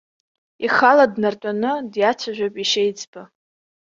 Ихала днартәаны диацәажәап иашьеиҵбы.